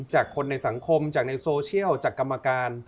จากคนในสังคมจากในโซเชียลจากกรรมการ